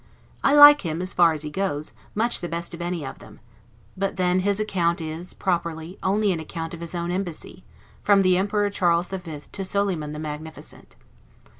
I like him, as far as he goes, much the best of any of them: but then his account is, properly, only an account of his own Embassy, from the Emperor Charles the Fifth to Solyman the Magnificent.